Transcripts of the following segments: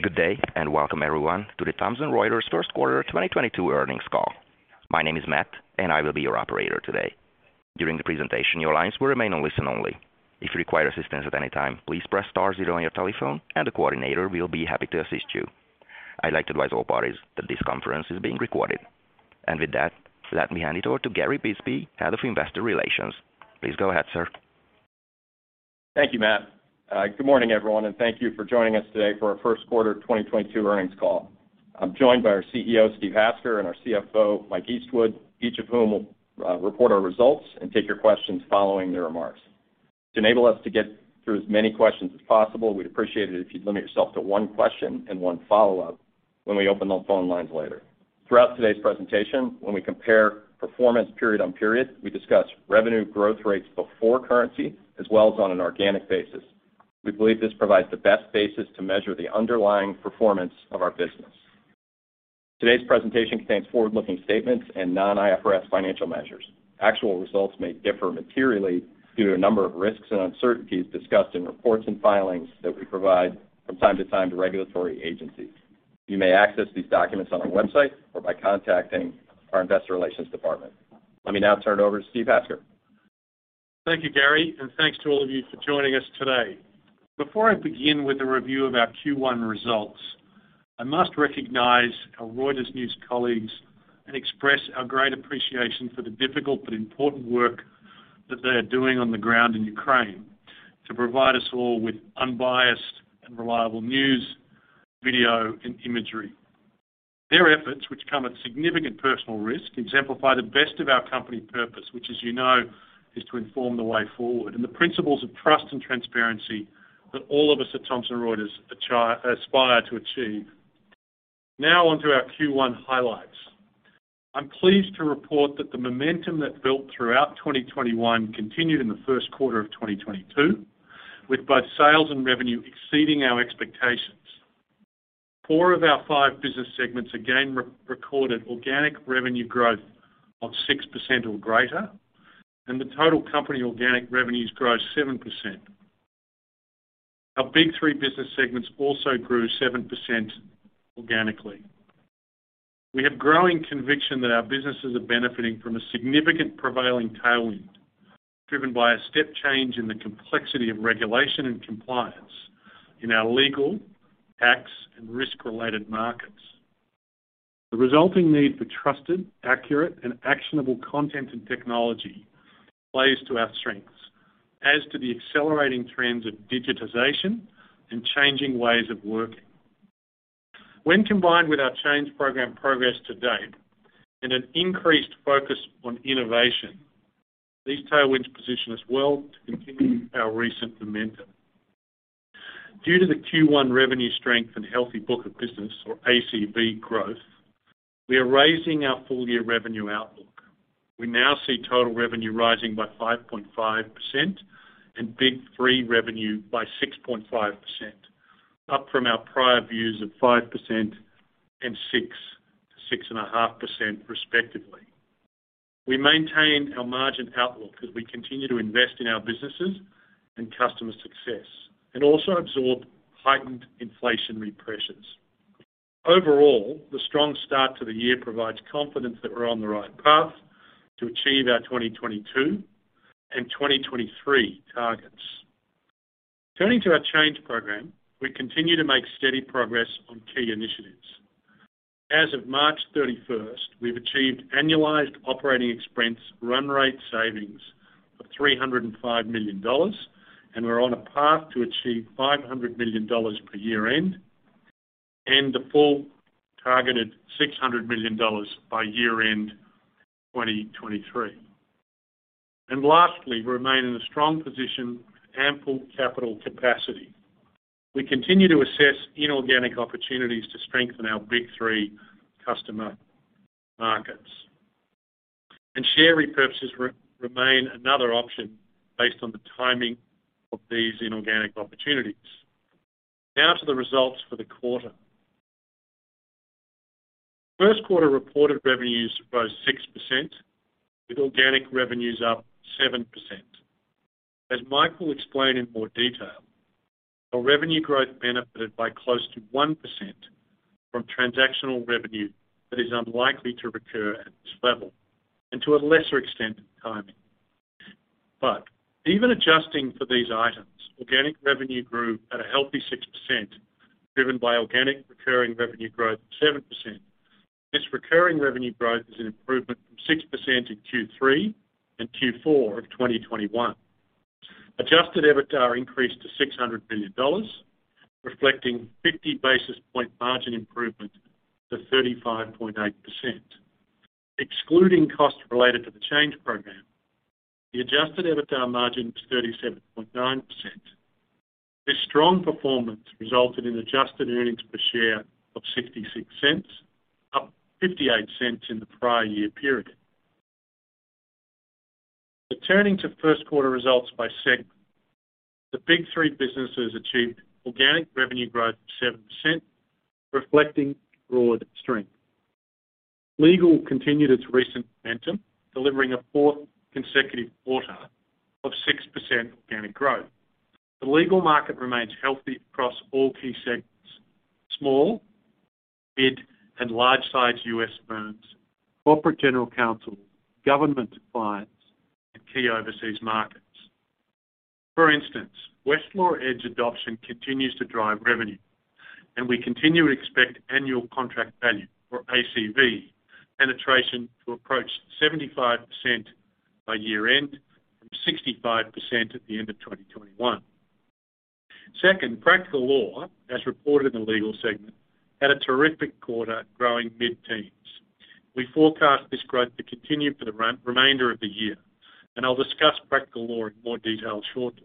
Good day, and welcome everyone to the Thomson Reuters first quarter 2022 earnings call. My name is Matt, and I will be your operator today. During the presentation, your lines will remain on listen only. If you require assistance at any time, please press star zero on your telephone and the coordinator will be happy to assist you. I'd like to advise all parties that this conference is being recorded. With that, let me hand it over to Gary Bisbee, Head of Investor Relations. Please go ahead, sir. Thank you, Matt. Good morning, everyone, and thank you for joining us today for our first quarter 2022 earnings call. I'm joined by our CEO, Steve Hasker and our CFO, Mike Eastwood, each of whom will report our results and take your questions following their remarks. To enable us to get through as many questions as possible, we'd appreciate it if you'd limit yourself to one question and one follow-up when we open those phone lines later. Throughout today's presentation, when we compare performance period-on-period, we discuss revenue growth rates before currency as well as on an organic basis. We believe this provides the best basis to measure the underlying performance of our business. Today's presentation contains forward-looking statements and non-IFRS financial measures. Actual results may differ materially due to a number of risks and uncertainties discussed in reports and filings that we provide from time to time to regulatory agencies. You may access these documents on our website or by contacting our investor relations department. Let me now turn it over to Steve Hasker. Thank you, Gary, and thanks to all of you for joining us today. Before I begin with a review of our Q1 results, I must recognize our Reuters News colleagues and express our great appreciation for the difficult but important work that they are doing on the ground in Ukraine to provide us all with unbiased and reliable news, video, and imagery. Their efforts, which come at significant personal risk, exemplify the best of our company purpose, which, as you know, is to inform the way forward, and the principles of trust and transparency that all of us at Thomson Reuters aspire to achieve. Now on to our Q1 highlights. I'm pleased to report that the momentum that built throughout 2021 continued in the first quarter of 2022, with both sales and revenue exceeding our expectations. Four of our five business segments again recorded organic revenue growth of 6% or greater, and the total company organic revenues grew 7%. Our big three business segments also grew 7% organically. We have growing conviction that our businesses are benefiting from a significant prevailing tailwind, driven by a step change in the complexity of regulation and compliance in our legal, tax, and risk-related markets. The resulting need for trusted, accurate, and actionable content and technology plays to our strengths as do the accelerating trends of digitization and changing ways of working. When combined with our change program progress to date and an increased focus on innovation, these tailwinds position us well to continue our recent momentum. Due to the Q1 revenue strength and healthy book of business or ACV growth, we are raising our full-year revenue outlook. We now see total revenue rising by 5.5% and organic revenue by 6.5%, up from our prior views of 5% and 6%-6.5%, respectively. We maintain our margin outlook as we continue to invest in our businesses and customer success, and also absorb heightened inflationary pressures. Overall, the strong start to the year provides confidence that we're on the right path to achieve our 2022 and 2023 targets. Turning to our change program, we continue to make steady progress on key initiatives. As of March 31st, we've achieved annualized operating expense run rate savings of $305 million, and we're on a path to achieve $500 million by year-end, and the full targeted $600 million by year-end 2023. Lastly, we remain in a strong position with ample capital capacity. We continue to assess inorganic opportunities to strengthen our big three customer markets. Share repurchases remain another option based on the timing of these inorganic opportunities. Now to the results for the quarter. First quarter reported revenues rose 6%, with organic revenues up 7%. As Michael explained in more detail, our revenue growth benefited by close to 1% from transactional revenue that is unlikely to recur at this level and to a lesser extent in timing. Even adjusting for these items, organic revenue grew at a healthy 6%, driven by organic recurring revenue growth of 7%. This recurring revenue growth is an improvement from 6% in Q3 and Q4 of 2021. Adjusted EBITDA increased to $600 million, reflecting 50 basis point margin improvement to 35.8%. Excluding costs related to the change program, the adjusted EBITDA margin was 37.9%. This strong performance resulted in adjusted earnings per share of $0.66, up $0.58 in the prior year period. Turning to first quarter results by segment, the big three businesses achieved organic revenue growth of 7%, reflecting broad strength. Legal continued its recent momentum, delivering a fourth consecutive quarter of 6% organic growth. The legal market remains healthy across all key segments. Small, mid, and large-sized U.S firms, corporate general counsel, government clients, and key overseas markets. For instance, Westlaw Edge adoption continues to drive revenue, and we continue to expect annual contract value for ACV penetration to approach 75% by year-end from 65% at the end of 2021. Second, Practical Law, as reported in the legal segment, had a terrific quarter growing mid-teens%. We forecast this growth to continue for the remainder of the year, and I'll discuss Practical Law in more detail shortly.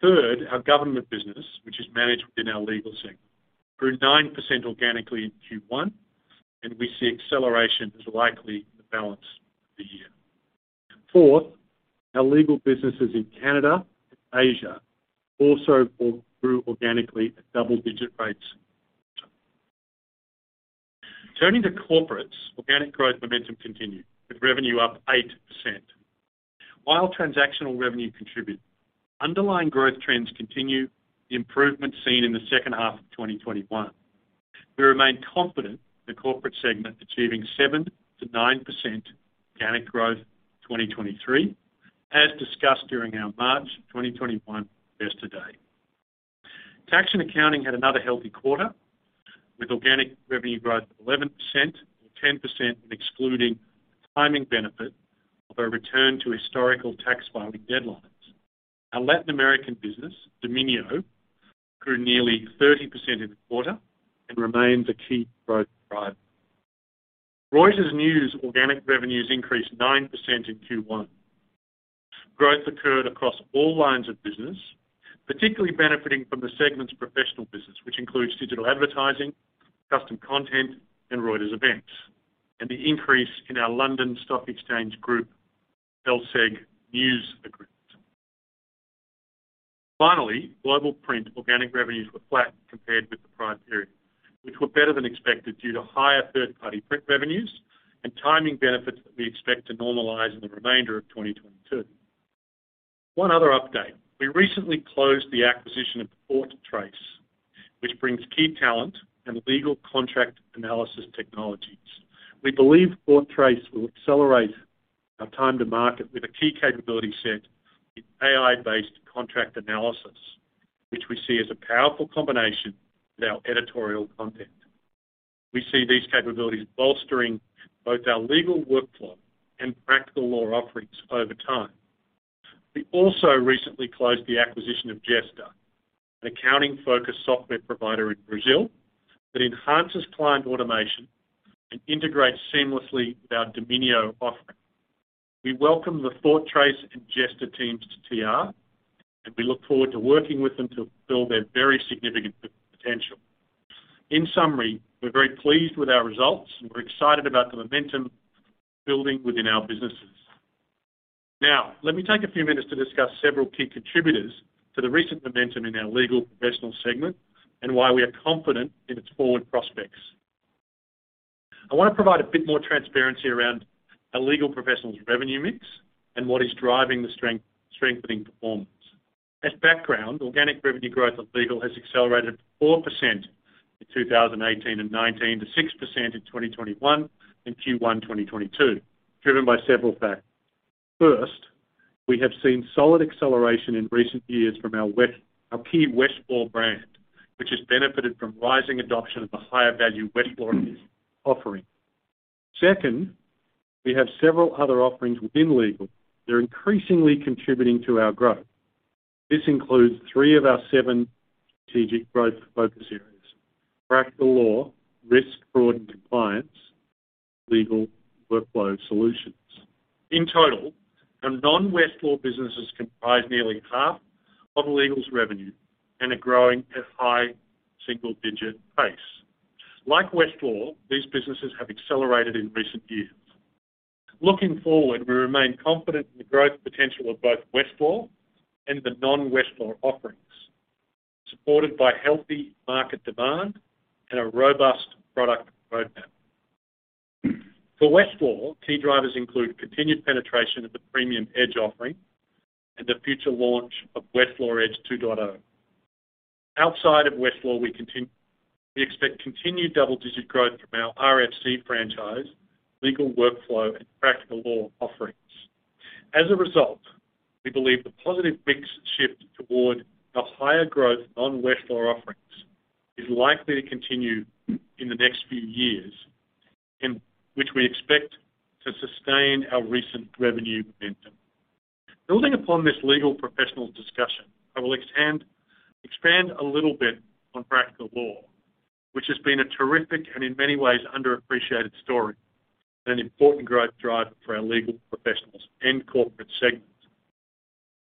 Third, our government business, which is managed within our legal segment, grew 9% organically in Q1, and we see acceleration is likely in the balance of the year. Fourth, our legal businesses in Canada and Asia also both grew organically at double-digit%. Turning to corporates, organic growth momentum continued with revenue up 8%. While transactional revenue contributed, underlying growth trends continue the improvement seen in the second half of 2021. We remain confident in the corporate segment achieving 7%-9% organic growth in 2023, as discussed during our March 2021 Investor Day. Tax & Accounting had another healthy quarter with organic revenue growth of 11% or 10% excluding timing benefit of a return to historical tax filing deadlines. Our Latin American business, Domínio, grew nearly 30% in the quarter and remains a key growth driver. Reuters News organic revenues increased 9% in Q1. Growth occurred across all lines of business, particularly benefiting from the segment's professional business, which includes digital advertising, custom content, and Reuters events, and the increase in our London Stock Exchange Group, LSEG, news agreement. Finally, Global Print organic revenues were flat compared with the prior period, which were better than expected due to higher third-party print revenues and timing benefits that we expect to normalize in the remainder of 2022. One other update. We recently closed the acquisition of ThoughtTrace, which brings key talent and legal contract analysis technologies. We believe ThoughtTrace will accelerate our time to market with a key capability set in AI-based contract analysis, which we see as a powerful combination with our editorial content. We see these capabilities bolstering both our legal workflow and Practical Law offerings over time. We also recently closed the acquisition of Gestta, an accounting-focused software provider in Brazil that enhances client automation and integrates seamlessly with our Domínio offering. We welcome the ThoughtTrace and Gestta teams to TR, and we look forward to working with them to fulfill their very significant potential. In summary, we're very pleased with our results, and we're excited about the momentum building within our businesses. Now, let me take a few minutes to discuss several key contributors to the recent momentum in our Legal Professionals segment and why we are confident in its forward prospects. I want to provide a bit more transparency around our Legal Professionals' revenue mix and what is driving the strengthening performance. As background, organic revenue growth of Legal has accelerated 4% in 2018 and 2019 to 6% in 2021 and Q1 2022, driven by several factors. First, we have seen solid acceleration in recent years from our key Westlaw brand, which has benefited from rising adoption of the higher-value Westlaw offering. Second, we have several other offerings within Legal that are increasingly contributing to our growth. This includes three of our seven strategic growth focus areas, Practical Law, risk fraud and compliance, legal workflow solutions. In total, our non-Westlaw businesses comprise nearly half of Legal's revenue and are growing at high single-digit pace. Like Westlaw, these businesses have accelerated in recent years. Looking forward, we remain confident in the growth potential of both Westlaw and the non-Westlaw offerings, supported by healthy market demand and a robust product roadmap. For Westlaw, key drivers include continued penetration of the premium Edge offering and the future launch of Westlaw Edge 2.0. Outside of Westlaw, we expect continued double-digit growth from our RFC franchise, legal workflow, and Practical Law offerings. As a result, we believe the positive mix shift toward the higher growth non-Westlaw offerings is likely to continue in the next few years, in which we expect to sustain our recent revenue momentum. Building upon this Legal Professionals discussion, I will expand a little bit on Practical Law, which has been a terrific and in many ways underappreciated story and an important growth driver for our Legal Professionals and corporate segments.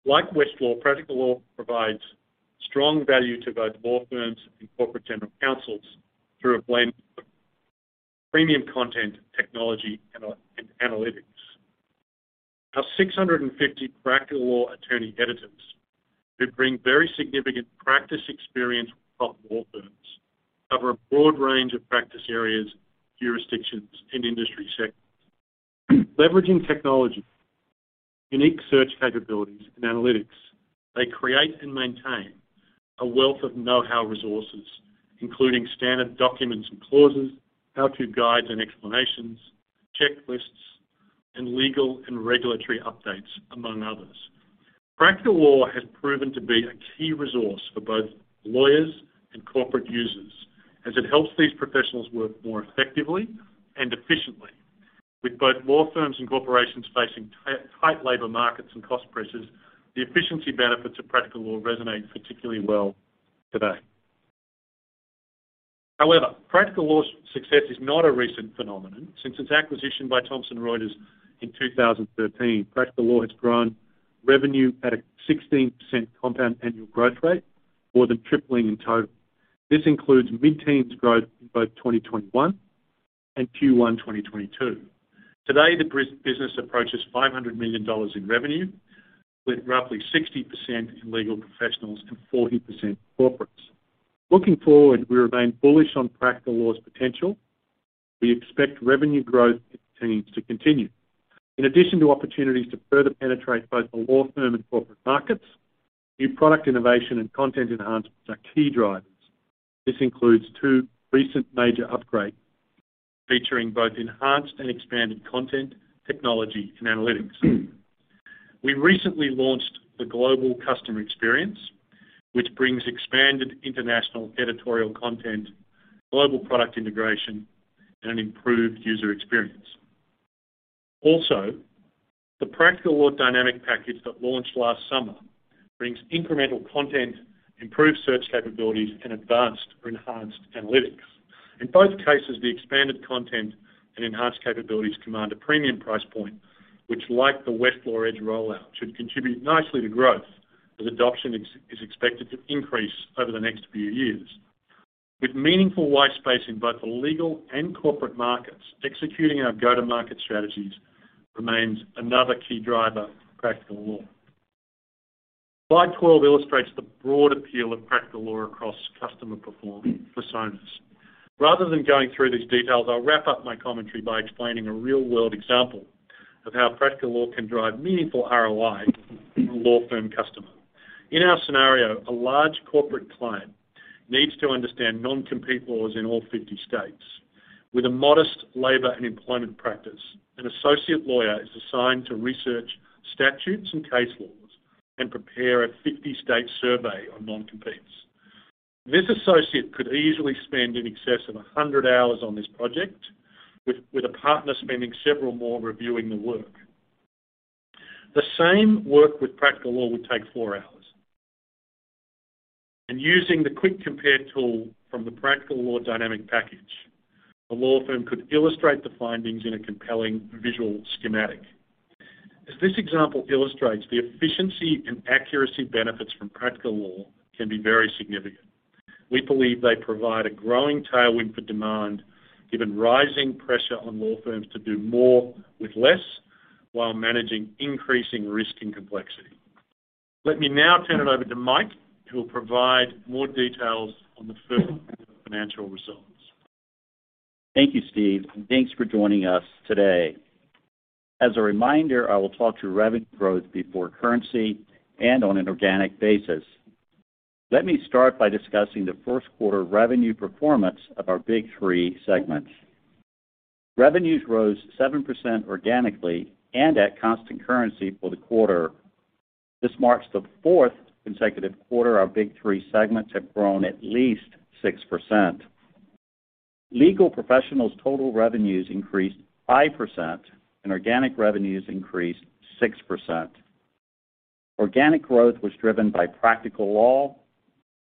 Like Westlaw, Practical Law provides strong value to both law firms and corporate general counsels through a blend of premium content, technology, and analytics. 650 Practical Law attorney editors who bring very significant practice experience from law firms cover a broad range of practice areas, jurisdictions, and industry sectors. Leveraging technology, unique search capabilities and analytics, they create and maintain a wealth of know-how resources, including standard documents and clauses, how-to guides and explanations, checklists, and legal and regulatory updates, among others. Practical Law has proven to be a key resource for both lawyers and corporate users as it helps these professionals work more effectively and efficiently. With both law firms and corporations facing tight labor markets and cost pressures, the efficiency benefits of Practical Law resonate particularly well today. However, Practical Law's success is not a recent phenomenon. Since its acquisition by Thomson Reuters in 2013, Practical Law has grown revenue at a 16% compound annual growth rate, more than tripling in total. This includes mid-teens growth in both 2021 and Q1 2022. Today, the business approaches $500 million in revenue, with roughly 60% in legal professionals and 40% corporates. Looking forward, we remain bullish on Practical Law's potential. We expect revenue growth in the teens to continue. In addition to opportunities to further penetrate both the law firm and corporate markets, new product innovation and content enhancements are key drivers. This includes two recent major upgrades featuring both enhanced and expanded content, technology, and analytics. We recently launched the global customer experience, which brings expanded international editorial content, global product integration, and an improved user experience. Also, the Practical Law dynamic package that launched last summer brings incremental content, improved search capabilities, and advanced or enhanced analytics. In both cases, the expanded content and enhanced capabilities command a premium price point, which, like the Westlaw Edge rollout, should contribute nicely to growth as adoption is expected to increase over the next few years. With meaningful white space in both the legal and corporate markets, executing our go-to-market strategies remains another key driver for Practical Law. Slide 12 illustrates the broad appeal of Practical Law across customer personas. Rather than going through these details, I'll wrap up my commentary by explaining a real-world example of how Practical Law can drive meaningful ROI for law firm customers. In our scenario, a large corporate client needs to understand non-compete laws in all 50 states. With a modest labor and employment practice, an associate lawyer is assigned to research statutes and case laws and prepare a 50-state survey on non-competes. This associate could easily spend in excess of 100 hours on this project, with a partner spending several more reviewing the work. The same work with Practical Law would take four hours. Using the quick compare tool from the Practical Law dynamic package, the law firm could illustrate the findings in a compelling visual schematic. As this example illustrates, the efficiency and accuracy benefits from Practical Law can be very significant. We believe they provide a growing tailwind for demand, given rising pressure on law firms to do more with less while managing increasing risk and complexity. Let me now turn it over to Mike, who will provide more details on the first quarter financial results. Thank you, Steve, and thanks for joining us today. As a reminder, I will talk to revenue growth before currency and on an organic basis. Let me start by discussing the first quarter revenue performance of our big three segments. Revenues rose 7% organically and at constant currency for the quarter. This marks the fourth consecutive quarter our big three segments have grown at least 6%. Legal Professionals’ total revenues increased 5%, and organic revenues increased 6%. Organic growth was driven by Practical Law,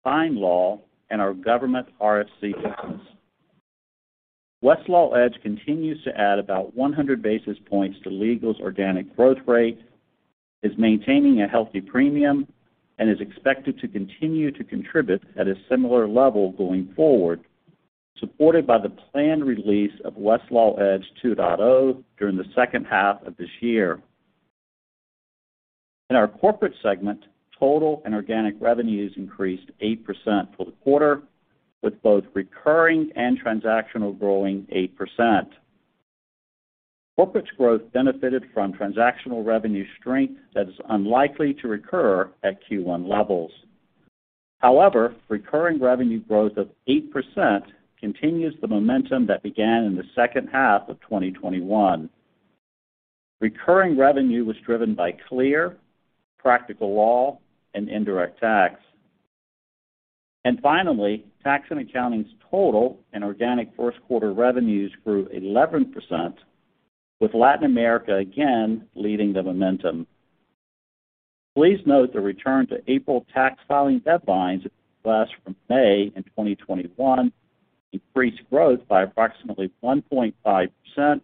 Time Law, and our government RFC business. Westlaw Edge continues to add about 100 basis points to Legal’s organic growth rate, is maintaining a healthy premium, and is expected to continue to contribute at a similar level going forward, supported by the planned release of Westlaw Edge 2.0 during the second half of this year. In our corporate segment, total and organic revenues increased 8% for the quarter, with both recurring and transactional growing 8%. Corporate's growth benefited from transactional revenue strength that is unlikely to recur at Q1 levels. However, recurring revenue growth of 8% continues the momentum that began in the second half of 2021. Recurring revenue was driven by CLEAR, Practical Law and Indirect Tax. Finally, Tax and Accounting's total and organic first quarter revenues grew 11%, with Latin America again leading the momentum. Please note the return to April tax filing deadlines, a reset from May in 2021, increased growth by approximately 1.5%,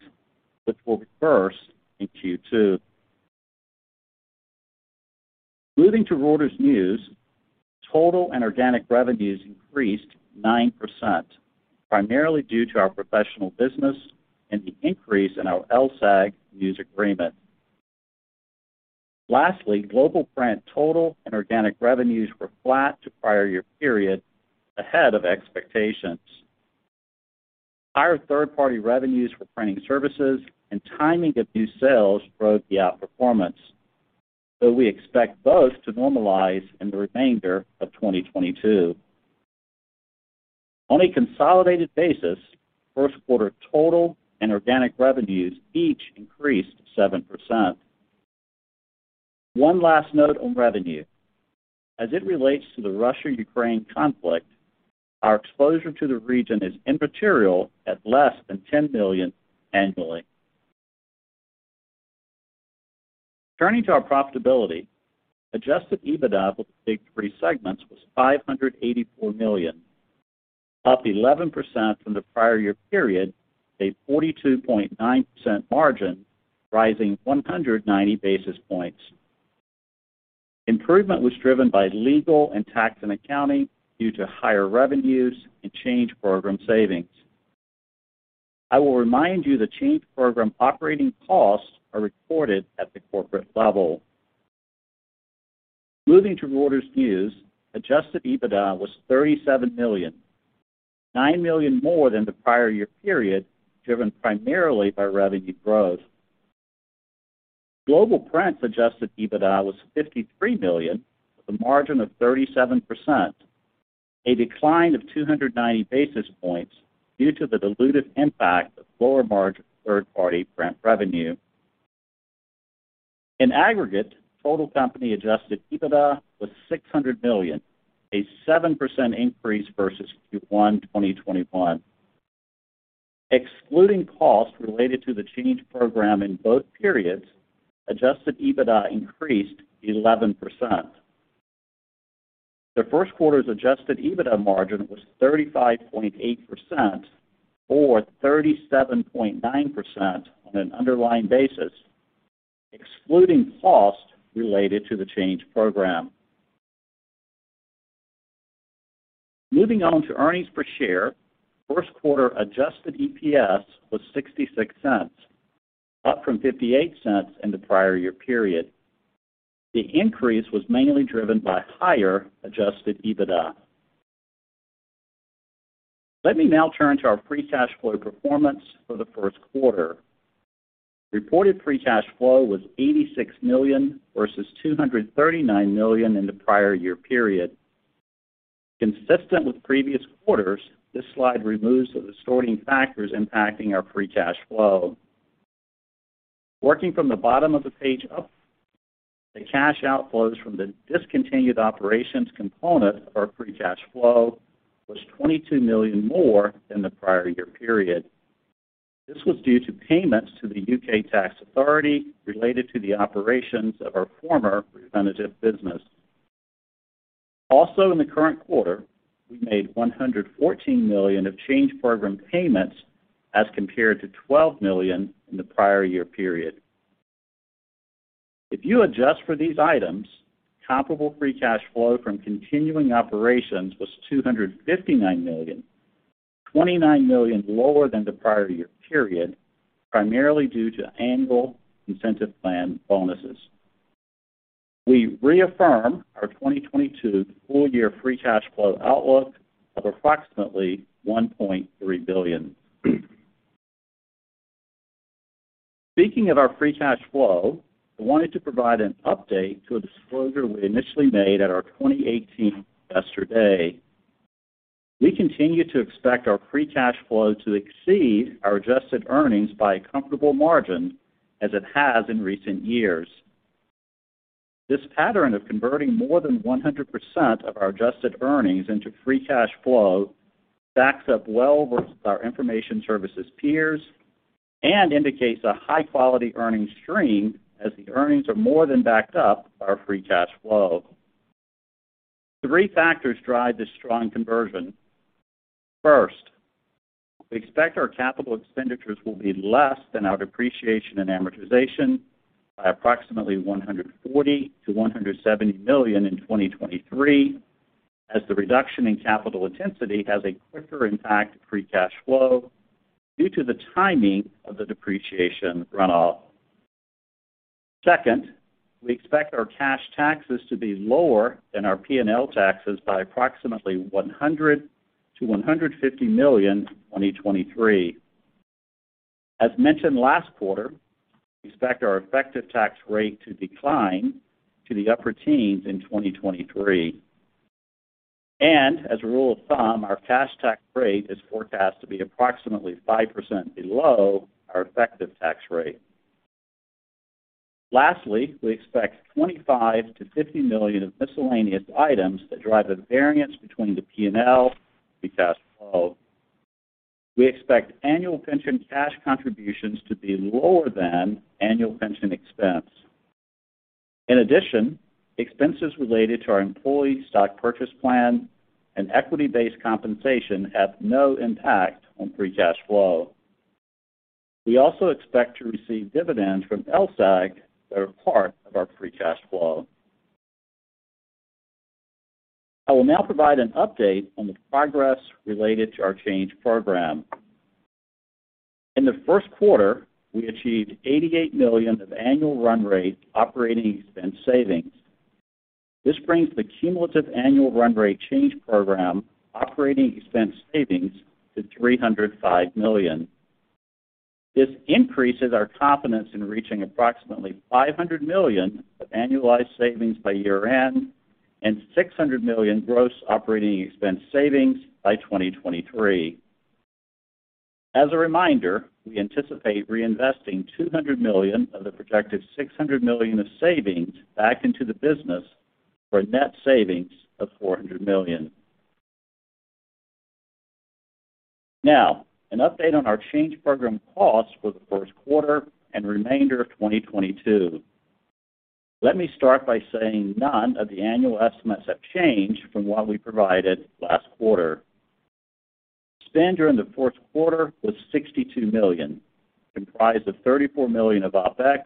which will reverse in Q2. Moving to Reuters News, total and organic revenues increased 9%, primarily due to our professional business and the increase in our LSEG news agreement. Lastly, Global Print total and organic revenues were flat to prior year period ahead of expectations. Higher third-party revenues for printing services and timing of new sales drove the outperformance, though we expect both to normalize in the remainder of 2022. On a consolidated basis, first quarter total and organic revenues each increased 7%. One last note on revenue. As it relates to the Russia-Ukraine conflict, our exposure to the region is immaterial at less than $10 million annually. Turning to our profitability, adjusted EBITDA for the big three segments was $584 million, up 11% from the prior year period, a 42.9% margin, rising 190 basis points. Improvement was driven by legal and tax and accounting due to higher revenues and change program savings. I will remind you the change program operating costs are reported at the corporate level. Moving to Reuters News, adjusted EBITDA was $37 million, $9 million more than the prior year period, driven primarily by revenue growth. Global Print adjusted EBITDA was $53 million, with a margin of 37%, a decline of 290 basis points due to the dilutive impact of lower-margin third-party print revenue. In aggregate, total company adjusted EBITDA was $600 million, a 7% increase versus Q1 2021. Excluding costs related to the change program in both periods, adjusted EBITDA increased 11%. The first quarter's adjusted EBITDA margin was 35.8% or 37.9% on an underlying basis, excluding costs related to the change program. Moving on to earnings per share, first quarter adjusted EPS was $0.66, up from $0.58 in the prior year period. The increase was mainly driven by higher adjusted EBITDA. Let me now turn to our free cash flow performance for the first quarter. Reported free cash flow was $86 million versus $239 million in the prior year period. Consistent with previous quarters, this slide removes the distorting factors impacting our free cash flow. Working from the bottom of the page up, the cash outflows from the discontinued operations component of our free cash flow was $22 million more than the prior year period. This was due to payments to the U.K tax authority related to the operations of our former Refinitiv business. Also in the current quarter, we made $114 million of change program payments as compared to $12 million in the prior year period. If you adjust for these items, comparable free cash flow from continuing operations was $259 million, $29 million lower than the prior year period, primarily due to annual incentive plan bonuses. We reaffirm our 2022 full year free cash flow outlook of approximately $1.3 billion. Speaking of our free cash flow, I wanted to provide an update to a disclosure we initially made at our 2018 Investor Day. We continue to expect our free cash flow to exceed our adjusted earnings by a comfortable margin as it has in recent years. This pattern of converting more than 100% of our adjusted earnings into free cash flow stacks up well versus our information services peers and indicates a high-quality earnings stream as the earnings are more than backed up by our free cash flow. Three factors drive this strong conversion. First, we expect our capital expenditures will be less than our depreciation and amortization by approximately $140 million-$170 million in 2023, as the reduction in capital intensity has a quicker impact to free cash flow due to the timing of the depreciation runoff. Second, we expect our cash taxes to be lower than our PNL taxes by approximately $100 million-$150 million in 2023. As mentioned last quarter, we expect our effective tax rate to decline to the upper teens in 2023. As a rule of thumb, our cash tax rate is forecast to be approximately 5% below our effective tax rate. Lastly, we expect $25 million-$50 million of miscellaneous items that drive a variance between the PNL and free cash flow. We expect annual pension cash contributions to be lower than annual pension expense. In addition, expenses related to our employee stock purchase plan and equity-based compensation have no impact on free cash flow. We also expect to receive dividends from LSEG that are part of our free cash flow. I will now provide an update on the progress related to our change program. In the first quarter, we achieved $88 million of annual run rate operating expense savings. This brings the cumulative annual run rate change program operating expense savings to $305 million. This increases our confidence in reaching approximately $500 million of annualized savings by year-end and $600 million gross operating expense savings by 2023. As a reminder, we anticipate reinvesting $200 million of the projected $600 million of savings back into the business for a net savings of $400 million. Now, an update on our change program costs for the first quarter and remainder of 2022. Let me start by saying none of the annual estimates have changed from what we provided last quarter. Spend during the fourth quarter was $62 million, comprised of $34 million of OpEx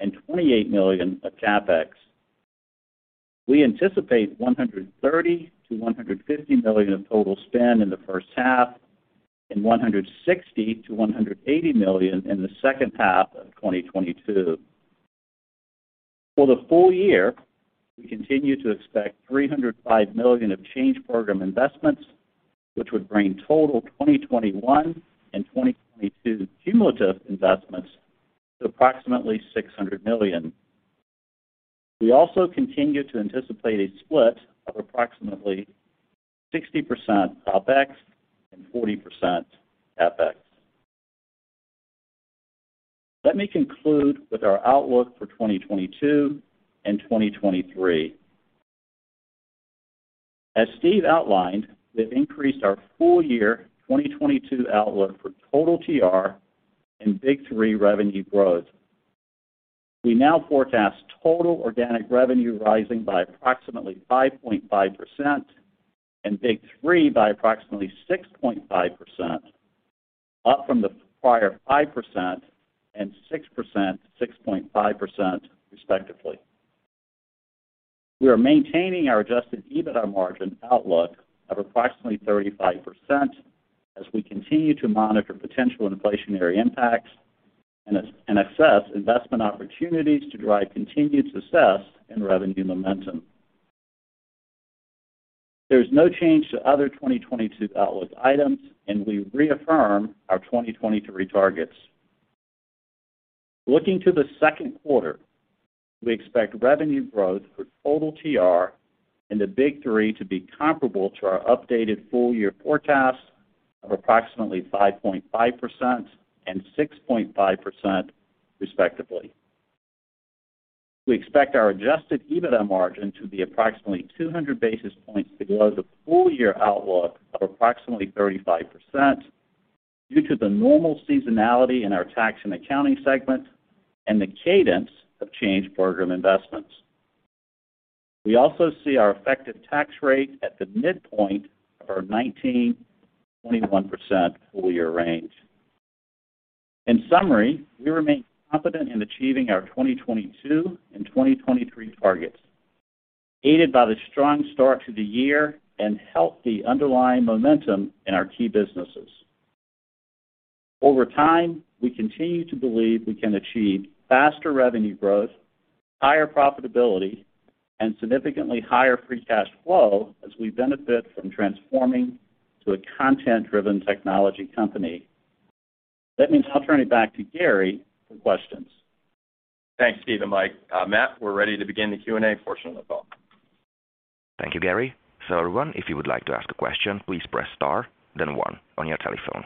and $28 million of CapEx. We anticipate $130 million-$150 million of total spend in the first half and $160 million-$180 million in the second half of 2022. For the full year, we continue to expect $305 million of change program investments, which would bring total 2021 and 2022 cumulative investments to approximately $600 million. We also continue to anticipate a split of approximately 60% OpEx and 40% CapEx. Let me conclude with our outlook for 2022 and 2023. As Steve outlined, we've increased our full year 2022 outlook for total TR and Big Three revenue growth. We now forecast total organic revenue rising by approximately 5.5% and Big Three by approximately 6.5%, up from the prior 5% and 6%, 6.5% respectively. We are maintaining our adjusted EBITDA margin outlook of approximately 35% as we continue to monitor potential inflationary impacts and assess investment opportunities to drive continued success and revenue momentum. There is no change to other 2022 outlook items, and we reaffirm our 2023 targets. Looking to the second quarter, we expect revenue growth for total TR and the Big Three to be comparable to our updated full year forecast of approximately 5.5% and 6.5%, respectively. We expect our adjusted EBITDA margin to be approximately 200 basis points below the full year outlook of approximately 35% due to the normal seasonality in our tax and accounting segment and the cadence of change program investments. We also see our effective tax rate at the midpoint of our 19%-21% full year range. In summary, we remain confident in achieving our 2022 and 2023 targets, aided by the strong start to the year and healthy underlying momentum in our key businesses. Over time, we continue to believe we can achieve faster revenue growth, higher profitability, and significantly higher free cash flow as we benefit from transforming to a content-driven technology company. That means I'll turn it back to Gary for questions. Thanks, Steve and Mike. Matt, we're ready to begin the Q&A portion of the call. Thank you, Gary. Everyone, if you would like to ask a question, please press star then one on your telephone.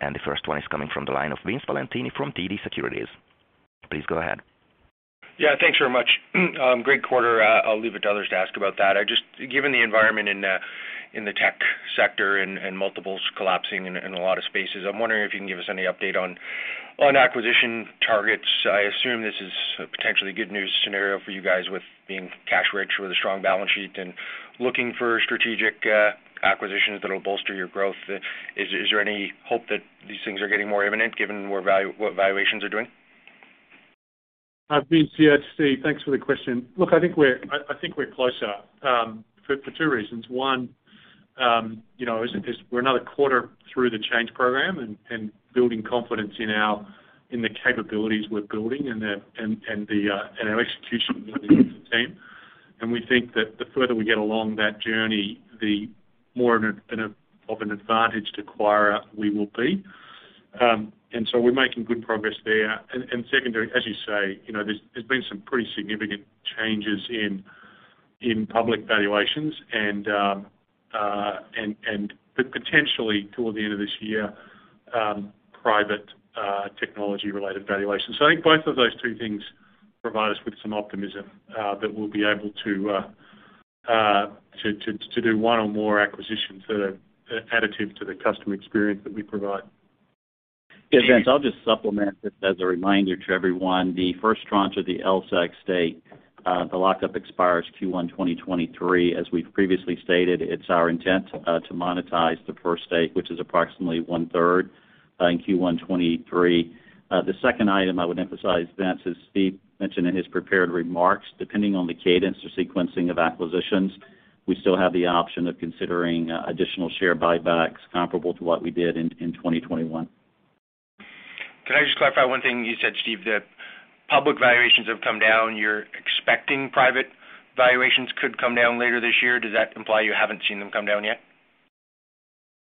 The first one is coming from the line of Vince Valentini from TD Securities, please go ahead. Yeah, thanks very much. Great quarter. I'll leave it to others to ask about that. Given the environment in the tech sector and multiples collapsing in a lot of spaces, I'm wondering if you can give us any update on acquisition targets. I assume this is a potentially good news scenario for you guys with being cash rich with a strong balance sheet and looking for strategic acquisitions that'll bolster your growth. Is there any hope that these things are getting more imminent given what valuations are doing? Vince, yeah, it's Steve. Thanks for the question. Look, I think we're closer for two reasons. One, you know, is we're another quarter through the change program and building confidence in our capabilities we're building and our execution with the team. We think that the further we get along that journey, the more of an advantage to acquire we will be. We're making good progress there. Secondary, as you say, you know, there's been some pretty significant changes in public valuations and potentially toward the end of this year, private technology-related valuations. I think both of those two things provide us with some optimism that we'll be able to do one or more acquisitions that are additive to the customer experience that we provide. Yeah, Vince, I'll just supplement that as a reminder to everyone, the first tranche of the LSEG stake, the lockup expires Q1 2023. As we've previously stated, it's our intent to monetize the first stake, which is approximately one-third in Q1 2023. The second item I would emphasize, Vince, as Steve mentioned in his prepared remarks, depending on the cadence or sequencing of acquisitions, we still have the option of considering additional share buybacks comparable to what we did in 2021. Can I just clarify one thing you said, Steve? The public valuations have come down. You're expecting private valuations could come down later this year. Does that imply you haven't seen them come down yet?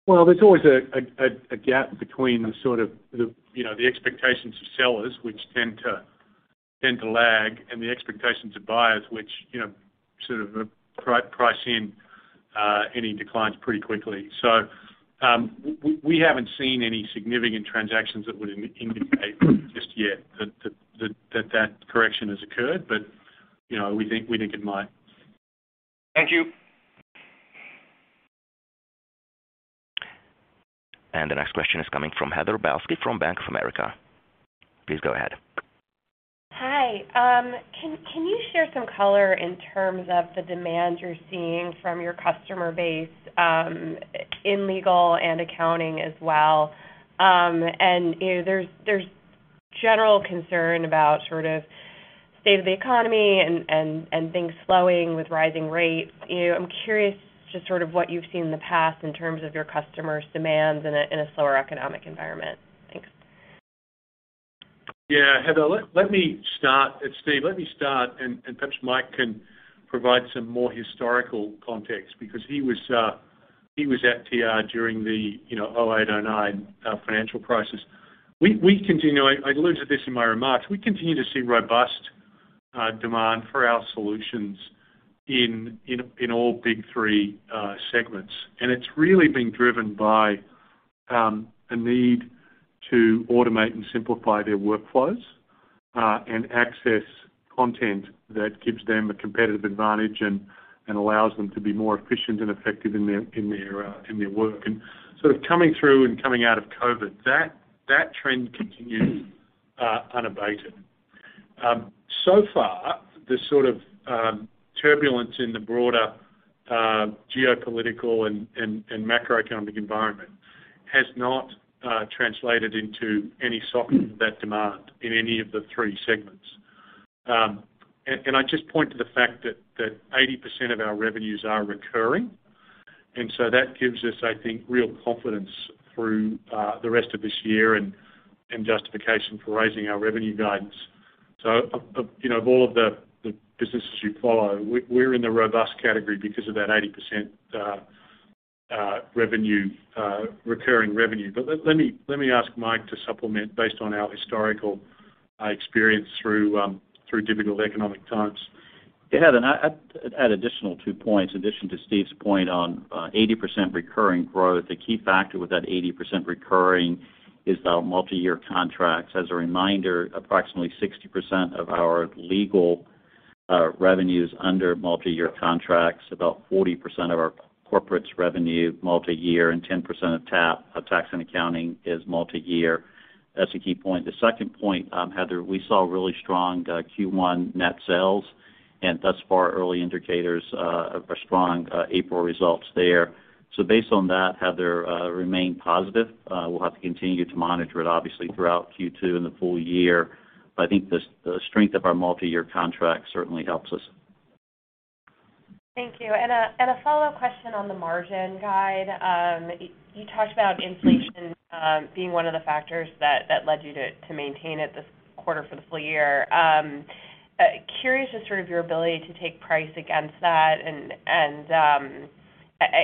Well, there's always a gap between the sort of, you know, the expectations of sellers, which tend to lag, and the expectations of buyers, which, you know, sort of price in any declines pretty quickly. We haven't seen any significant transactions that would indicate just yet that correction has occurred. You know, we think it might. Thank you. The next question is coming from Heather Balsky from Bank of America, please go ahead. Hi. Can you share some color in terms of the demand you're seeing from your customer base in legal and accounting as well? You know, there's general concern about sort of state of the economy and things slowing with rising rates. You know, I'm curious just sort of what you've seen in the past in terms of your customers' demands in a slower economic environment. Thanks. Yeah. Heather, let me start. It's Steve. Let me start, and perhaps Mike can provide some more historical context because he was at TR during the, you know, 2008, 2009 financial crisis. We continue. I alluded to this in my remarks. We continue to see robust demand for our solutions in all big three segments. It's really been driven by a need to automate and simplify their workflows and access content that gives them a competitive advantage and allows them to be more efficient and effective in their work. Sort of coming through and coming out of COVID, that trend continues unabated. So far, the sort of turbulence in the broader geopolitical and macroeconomic environment has not translated into any softening of that demand in any of the three segments. I'd just point to the fact that 80% of our revenues are recurring. That gives us, I think, real confidence through the rest of this year and justification for raising our revenue guidance. Of, you know, of all of the businesses you follow, we're in the robust category because of that 80% recurring revenue. Let me ask Mike to supplement based on our historical experience through difficult economic times. Yeah, Heather, I'd add two additional points in addition to Steve's point on 80% recurring growth. A key factor with that 80% recurring is our multiyear contracts. As a reminder, approximately 60% of our Legal revenue is under multiyear contracts, about 40% of our Corporates revenue multiyear, and 10% of Tax and Accounting is multiyear. That's a key point. The second point, Heather, we saw really strong Q1 net sales, and thus far, early indicators of a strong April results there. Based on that, Heather, remain positive. We'll have to continue to monitor it obviously throughout Q2 and the full year. I think the strength of our multiyear contract certainly helps us. Thank you. A follow-up question on the margin guidance. You talked about inflation being one of the factors that led you to maintain it this quarter for the full year. Curious just sort of your ability to take price against that and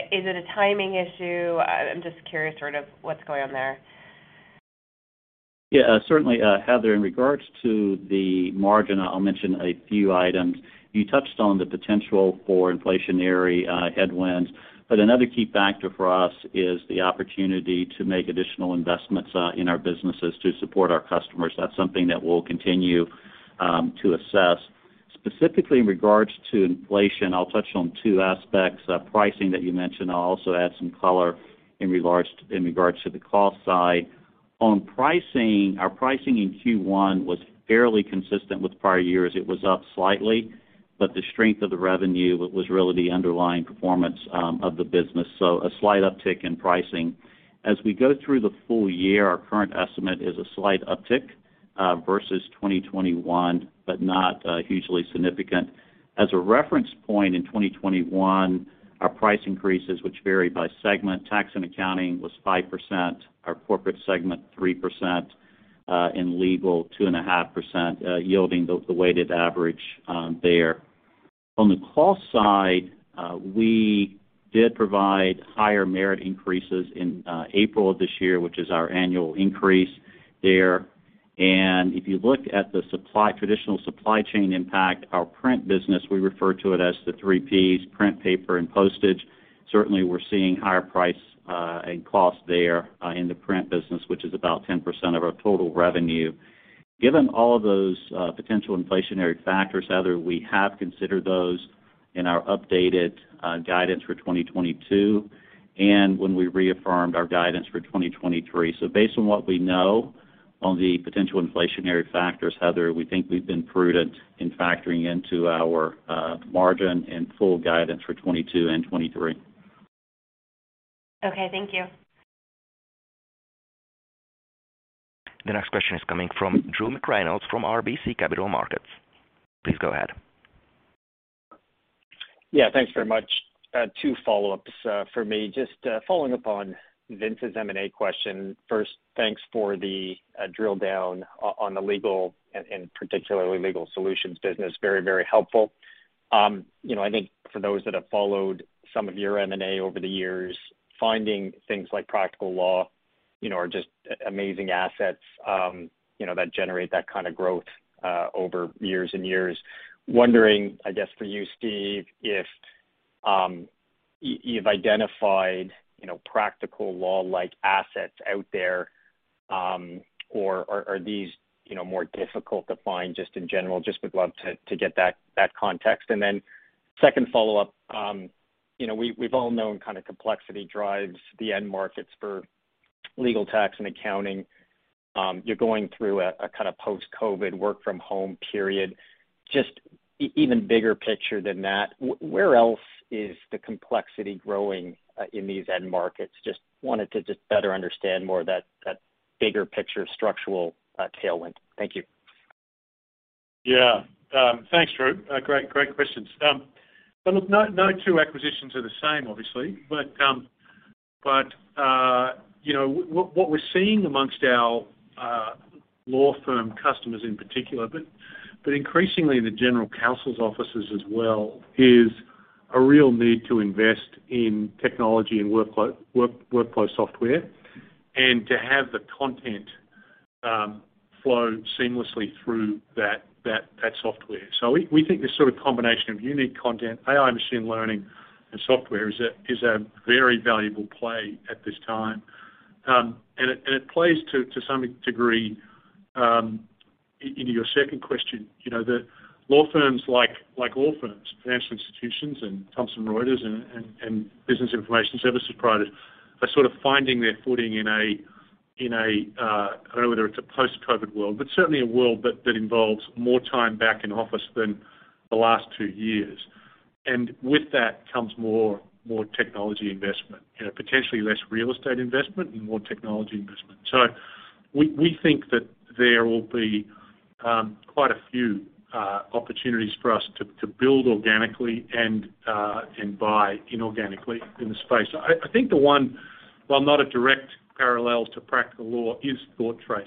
is it a timing issue? I'm just curious sort of what's going on there. Yeah. Certainly, Heather, in regards to the margin, I'll mention a few items. You touched on the potential for inflationary headwinds, but another key factor for us is the opportunity to make additional investments in our businesses to support our customers. That's something that we'll continue to assess. Specifically in regards to inflation, I'll touch on two aspects. Pricing that you mentioned, I'll also add some color in regards to the cost side. On pricing, our pricing in Q1 was fairly consistent with prior years. It was up slightly, but the strength of the revenue was really the underlying performance of the business. A slight uptick in pricing. As we go through the full year, our current estimate is a slight uptick versus 2021, but not hugely significant. As a reference point, in 2021, our price increases, which vary by segment, tax and accounting was 5%, our corporate segment, 3%, in legal, 2.5%, yielding the weighted average there. On the cost side, we did provide higher merit increases in April of this year, which is our annual increase there. If you look at the traditional supply chain impact, our print business, we refer to it as the three Ps, print, paper, and postage. Certainly, we're seeing higher price and cost there in the print business, which is about 10% of our total revenue. Given all of those potential inflationary factors, Heather, we have considered those in our updated guidance for 2022 and when we reaffirmed our guidance for 2023. Based on what we know. On the potential inflationary factors, Heather, we think we've been prudent in factoring into our margin and full guidance for 2022 and 2023. Okay, thank you. The next question is coming from Drew McReynolds from RBC Capital Markets, please go ahead. Yeah, thanks very much. Two follow-ups for me. Just following up on Vince's M&A question. First, thanks for the drill down on the legal and particularly legal solutions business. Very helpful. You know, I think for those that have followed some of your M&A over the years, finding things like Practical Law, you know, are just amazing assets, you know, that generate that kind of growth over years and years. Wondering, I guess, for you, Steve, if you've identified, you know, Practical Law-like assets out there, or are these, you know, more difficult to find just in general? Just would love to get that context. Then second follow-up, you know, we've all known kinda complexity drives the end markets for legal, tax, and accounting. You're going through a kind of post-COVID work from home period. Just even bigger picture than that, where else is the complexity growing in these end markets? Just wanted to just better understand more of that bigger picture structural tailwind. Thank you. Yeah. Thanks, Drew. Great questions. Look, no two acquisitions are the same, obviously. You know, what we're seeing among our law firm customers in particular, but increasingly the general counsel's offices as well, is a real need to invest in technology and workflow software and to have the content flow seamlessly through that software. We think this sort of combination of unique content, AI machine learning and software is a very valuable play at this time. It plays to some degree into your second question. You know, the law firms like law firms, financial institutions and Thomson Reuters and business information services providers are sort of finding their footing in a I don't know whether it's a post-COVID world, but certainly a world that involves more time back in office than the last two years. With that comes more technology investment. You know, potentially less real estate investment and more technology investment. We think that there will be quite a few opportunities for us to build organically and buy inorganically in the space. I think the one, while not a direct parallel to Practical Law, is ThoughtTrace.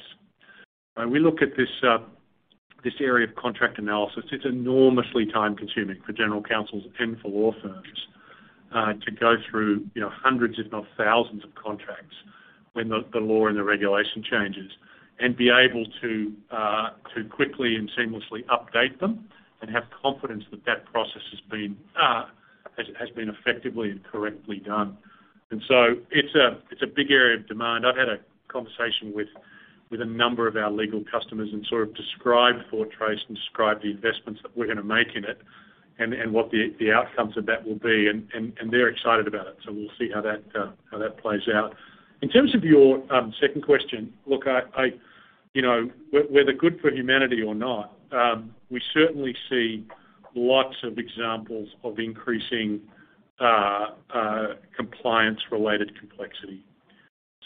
When we look at this area of contract analysis, it's enormously time-consuming for general counsels and for law firms to go through, you know, hundreds if not thousands of contracts when the law and the regulation changes, and be able to quickly and seamlessly update them and have confidence that that process has been effectively and correctly done. It's a big area of demand. I've had a conversation with a number of our legal customers and sort of described ThoughtTrace and described the investments that we're gonna make in it, and they're excited about it, so we'll see how that plays out. In terms of your second question. Look, I you know, whether good for humanity or not, we certainly see lots of examples of increasing compliance-related complexity.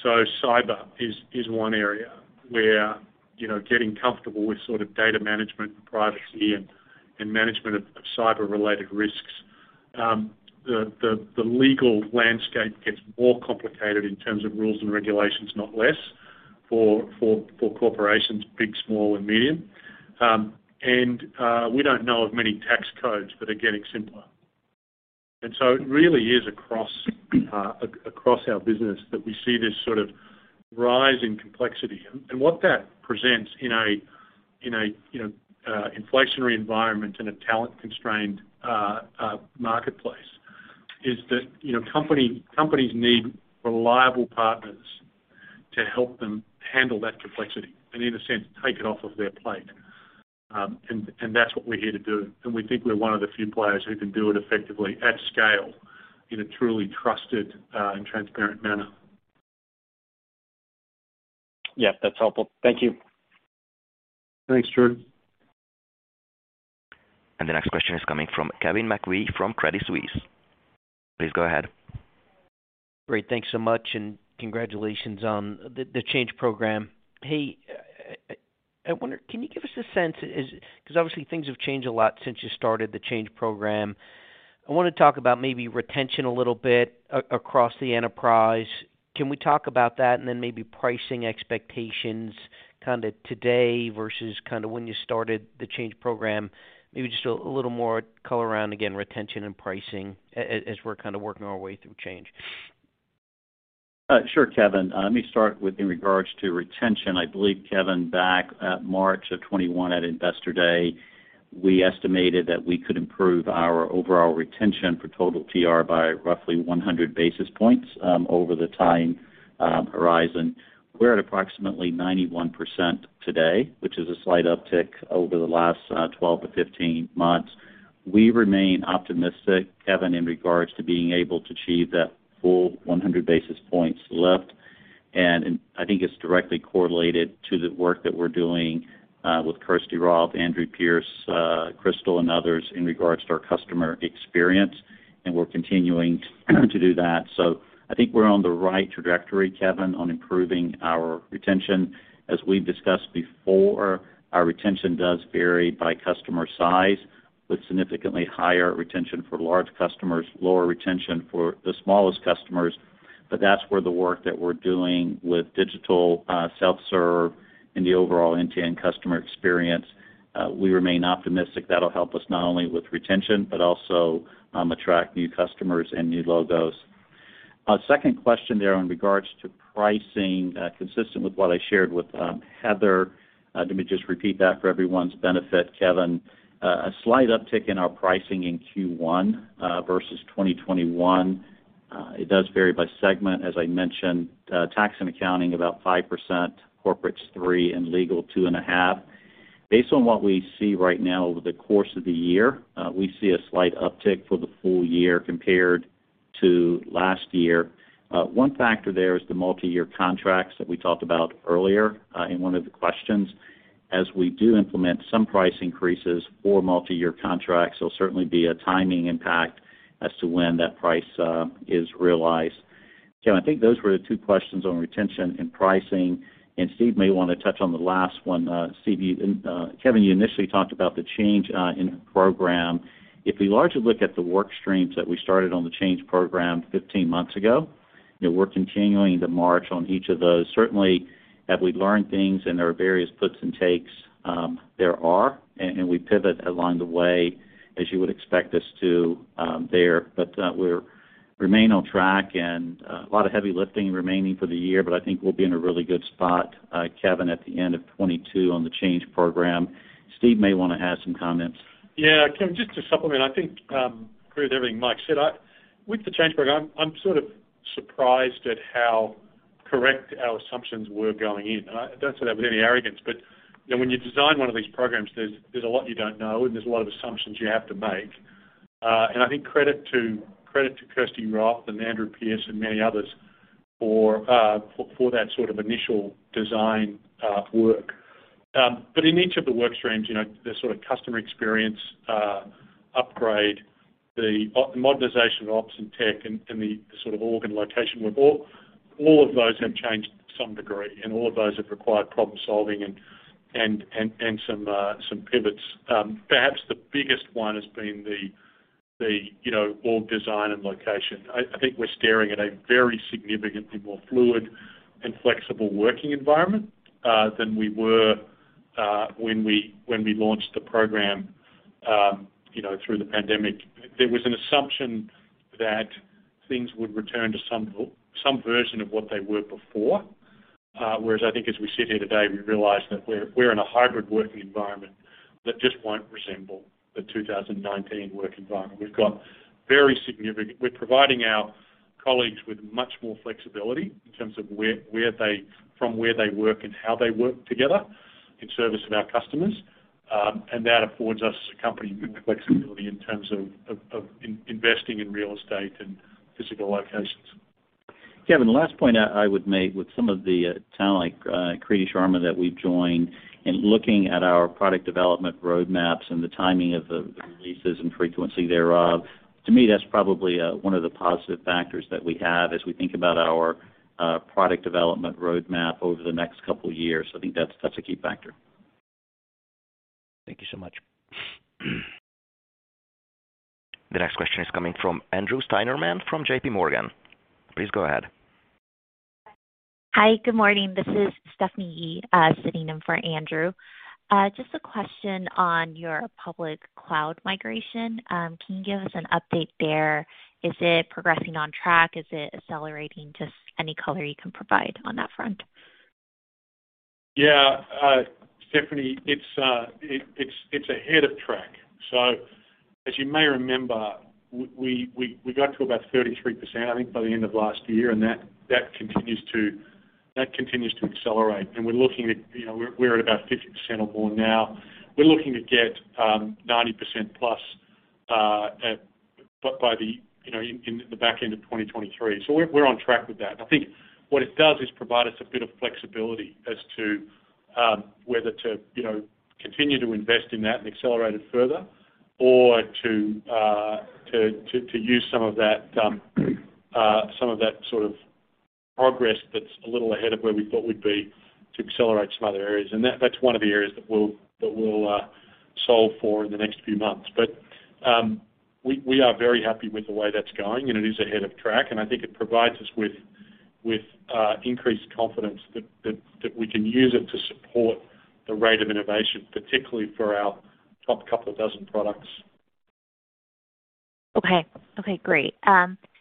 Cyber is one area where, you know, getting comfortable with sort of data management and privacy and management of cyber-related risks, the legal landscape gets more complicated in terms of rules and regulations, not less, for corporations, big, small and medium. We don't know of many tax codes that are getting simpler. It really is across our business that we see this sort of rise in complexity. What that presents in a you know inflationary environment and a talent-constrained marketplace is that, you know, companies need reliable partners to help them handle that complexity and in a sense take it off of their plate. That's what we're here to do. We think we're one of the few players who can do it effectively at scale in a truly trusted and transparent manner. Yeah, that's helpful. Thank you. Thanks, Drew. The next question is coming from Kevin McVeigh from Credit Suisse, please go ahead. Great. Thanks so much, and congratulations on the change program. Hey, I wonder, can you give us a sense 'cause obviously things have changed a lot since you started the change program. I wanna talk about maybe retention a little bit across the enterprise. Can we talk about that? Then maybe pricing expectations kinda today versus kinda when you started the change program. Maybe just a little more color around, again, retention and pricing as we're kinda working our way through change. Sure, Kevin. Let me start with in regards to retention. I believe, Kevin, back at March of 2021 at Investor Day, we estimated that we could improve our overall retention for total TR by roughly 100 basis points over the time horizon. We're at approximately 91% today, which is a slight uptick over the last 12-15 months. We remain optimistic, Kevin, in regards to being able to achieve that full 100 basis points lift, and I think it's directly correlated to the work that we're doing with Kirsty Roth, Andrew Peers, Crystal, and others in regards to our customer experience, and we're continuing to do that. I think we're on the right trajectory, Kevin, on improving our retention. As we've discussed before, our retention does vary by customer size, with significantly higher retention for large customers, lower retention for the smallest customers. That's where the work that we're doing with digital self-serve and the overall end-to-end customer experience, we remain optimistic that'll help us not only with retention, but also attract new customers and new logos. Second question there in regards to pricing consistent with what I shared with Heather. Let me just repeat that for everyone's benefit, Kevin. A slight uptick in our pricing in Q1 versus 2021. It does vary by segment. As I mentioned, tax and accounting about 5%, corporate's 3%, and legal 2.5%. Based on what we see right now over the course of the year, we see a slight uptick for the full year compared to last year. One factor there is the multiyear contracts that we talked about earlier in one of the questions. As we do implement some price increases for multiyear contracts, there'll certainly be a timing impact as to when that price is realized. Kevin, I think those were the two questions on retention and pricing, and Steve may wanna touch on the last one. Steve, Kevin, you initially talked about the change in program. If we largely look at the work streams that we started on the change program 15 months ago, you know, we're continuing to march on each of those. Certainly, have we learned things and there are various puts and takes? There are, and we pivot along the way as you would expect us to. We remain on track and a lot of heavy lifting remaining for the year, but I think we'll be in a really good spot, Kevin, at the end of 2022 on the change program. Steve may wanna add some comments. Yeah. Kevin, just to supplement, I think agree with everything Mike said. With the change program, I'm sort of surprised at how correct our assumptions were going in. I don't say that with any arrogance, but you know, when you design one of these programs, there's a lot you don't know, and there's a lot of assumptions you have to make. I think credit to Kirsty Roth and Andrew Peers and many others for that sort of initial design work. In each of the work streams, you know, the sort of customer experience upgrade, the modernization of ops and tech and the sort of org and location, all of those have changed to some degree, and all of those have required problem-solving and some pivots. Perhaps the biggest one has been the, you know, org design and location. I think we're staring at a very significantly more fluid and flexible working environment than we were when we launched the program, you know, through the pandemic. There was an assumption that things would return to some version of what they were before, whereas I think as we sit here today, we realize that we're in a hybrid working environment that just won't resemble the 2019 work environment. We're providing our colleagues with much more flexibility in terms of where they work and how they work together in service of our customers. That affords us as a company good flexibility in terms of investing in real estate and physical locations. Kevin, the last point I would make with some of the talent like Kriti Sharma that we've joined in looking at our product development roadmaps and the timing of the releases and frequency thereof, to me, that's probably one of the positive factors that we have as we think about our product development roadmap over the next couple years. I think that's a key factor. Thank you so much. The next question is coming from Andrew Steinerman from JPMorgan, please go ahead. Hi. Good morning. This is Stephanie Yee, sitting in for Andrew. Just a question on your public cloud migration. Can you give us an update there? Is it progressing on track? Is it accelerating? Just any color you can provide on that front. Yeah. Stephanie, it's ahead of track. As you may remember, we got to about 33%, I think, by the end of last year, and that continues to accelerate. We're looking at, you know, we're at about 50% or more now. We're looking to get 90%+ by, you know, in the back end of 2023. We're on track with that. I think what it does is provide us a bit of flexibility as to whether to, you know, continue to invest in that and accelerate it further or to use some of that sort of progress that's a little ahead of where we thought we'd be to accelerate some other areas. That's one of the areas that we'll solve for in the next few months. We are very happy with the way that's going, and it is ahead of track, and I think it provides us with increased confidence that we can use it to support the rate of innovation, particularly for our top couple of dozen products. Okay. Okay, great.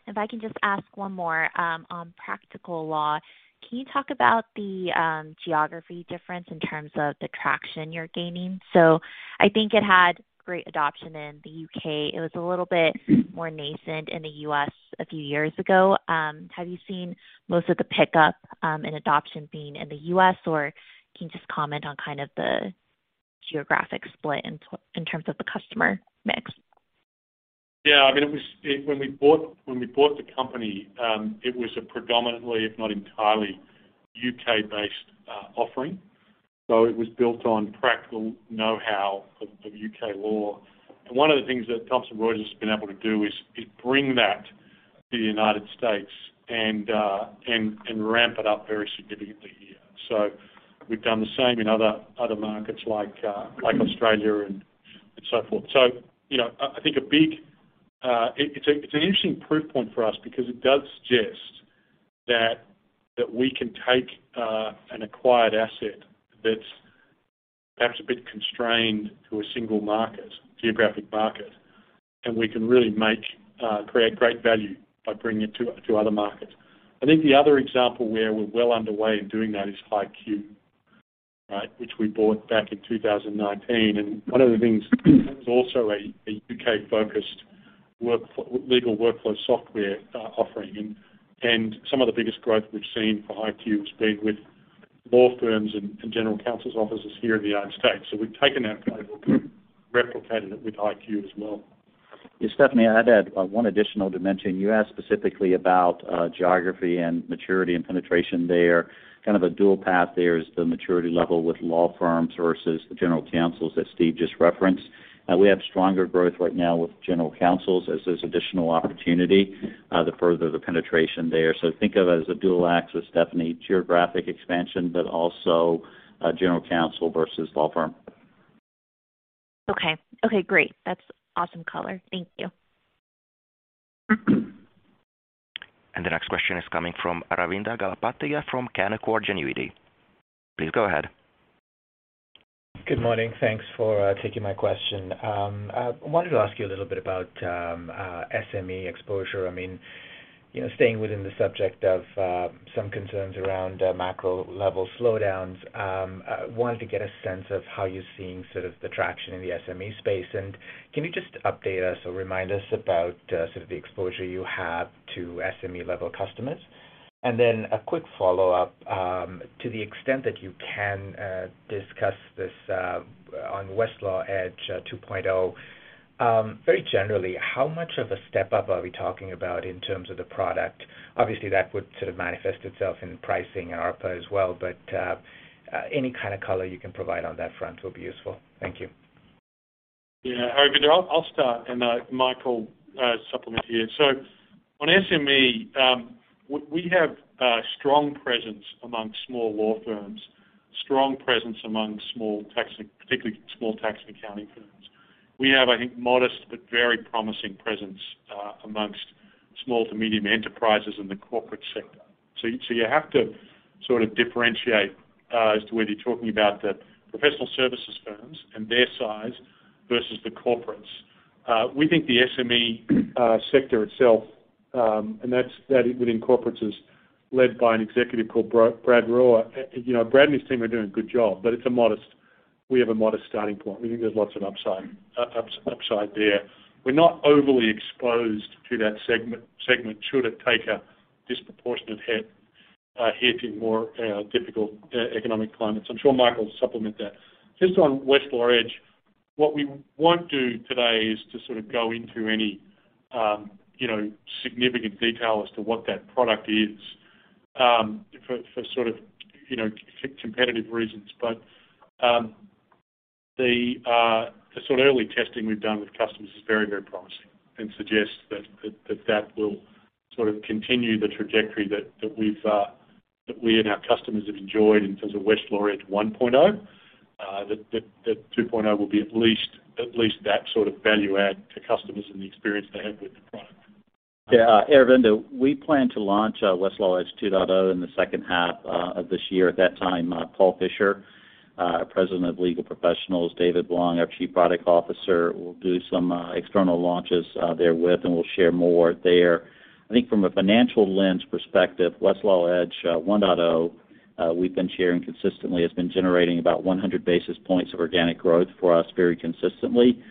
If I can just ask one more, on Practical Law, can you talk about the geography difference in terms of the traction you're gaining? I think it had great adoption in the U.K. It was a little bit more nascent in the U.S a few years ago. Have you seen most of the pickup, and adoption being in the U.S, or can you just comment on kind of the geographic split in terms of the customer mix? Yeah, I mean, when we bought the company, it was a predominantly, if not entirely U.K.-based, offering. It was built on practical know-how of U.K. law. One of the things that Thomson Reuters has been able to do is bring that to the United States and ramp it up very significantly here. We've done the same in other markets like Australia and so forth. You know, I think it is an interesting proof point for us because it does suggest that we can take an acquired asset that is perhaps a bit constrained to a single market, geographic market, and we can really create great value by bringing it to other markets. I think the other example where we're well underway in doing that is HighQ, right? Which we bought back in 2019. One of the things, that was also a U.K-focused legal workflow software offering. Some of the biggest growth we've seen for HighQ has been with law firms and general counsel's offices here in the United States. We've taken that playbook, replicated it with HighQ as well. Yeah, Stephanie, I'd add one additional dimension. You asked specifically about geography and maturity and penetration there. Kind of a dual path there is the maturity level with law firms versus the general counsels that Steve just referenced. We have stronger growth right now with general counsels as there's additional opportunity to further the penetration there. Think of it as a dual axis, Stephanie, geographic expansion, but also general counsel versus law firm. Okay, great. That's awesome color. Thank you. The next question is coming from Aravinda Galappatthige from Canaccord Genuity, please go ahead. Good morning. Thanks for taking my question. I wanted to ask you a little bit about SME exposure. I mean, you know, staying within the subject of some concerns around macro level slowdowns. I wanted to get a sense of how you're seeing sort of the traction in the SME space. Can you just update us or remind us about sort of the exposure you have to SME-level customers? A quick follow-up, to the extent that you can discuss this, on Westlaw Edge 2.0. Very generally, how much of a step up are we talking about in terms of the product? Obviously, that would sort of manifest itself in pricing and ARPA as well, but any kind of color you can provide on that front will be useful. Thank you. Yeah. Aravinda, I'll start, and Michael supplement here. On SME, we have a strong presence among small law firms, strong presence among small tax, particularly small tax and accounting firms. We have, I think, modest but very promising presence among small to medium enterprises in the corporate sector. You have to sort of differentiate as to whether you're talking about the professional services firms and their size versus the corporates. We think the SME sector itself, and that within corporates is led by an executive called Brad Rohrs. You know, Brad and his team are doing a good job, but it's a modest, we have a modest starting point. We think there's lots of upside there. We're not overly exposed to that segment should it take a disproportionate hit in more difficult economic climates. I'm sure Michael will supplement that. Just on Westlaw Edge, what we won't do today is to sort of go into any significant detail as to what that product is, for sort of competitive reasons. The sort of early testing we've done with customers is very promising and suggests that will sort of continue the trajectory that we and our customers have enjoyed in terms of Westlaw Edge 1.0. That 2.0 will be at least that sort of value add to customers and the experience they have with the product. Yeah, Aravinda, we plan to launch Westlaw Edge 2.0 in the second half of this year. At that time, Paul Fischer, our President of Legal Professionals, David Wong, our Chief Product Officer, will do some external launches therewith, and we'll share more there. I think from a financial lens perspective, Westlaw Edge 1.0 we've been sharing consistently has been generating about 100 basis points of organic growth for us very consistently